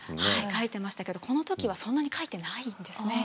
描いてましたけどこの時はそんなに描いてないんですね。